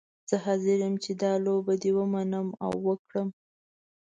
زه حاضره یم چې دا لوبه دې ومنم او وکړم.